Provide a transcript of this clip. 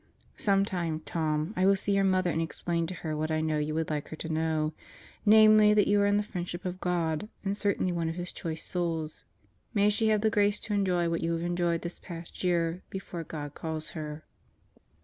Sometime, Tom, I will see your mother and explain to her what I know you would like her to know; namely, that you are in the friendship of God and certainly one of His choice souls. May she have the grace to enjoy what you have enjoyed this past year before God calls her.